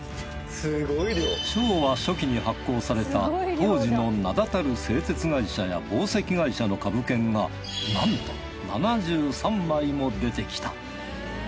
昭和初期に発行された当時の名だたる製鉄会社や紡績会社の株券がなんと７３枚も出てきた。